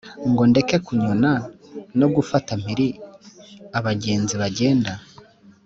ngo ndeke kunyona no gufata mpiri abagenzi bagenda